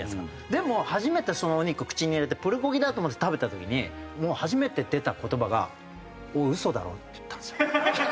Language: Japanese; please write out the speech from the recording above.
でも初めてそのお肉を口に入れてプルコギだと思って食べた時にもう初めて出た言葉が「おいウソだろ」って言ったんですよ。